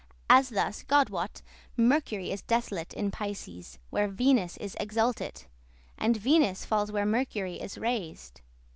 As thus, God wot, Mercury is desolate In Pisces, where Venus is exaltate, And Venus falls where Mercury is raised.